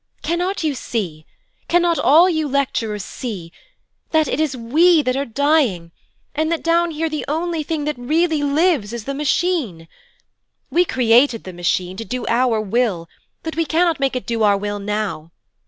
'Cannot you see, cannot all you lecturers see, that it is we that are dying, and that down here the only thing that really lives is the Machine? We created the Machine, to do our will, but we cannot make it do our will now.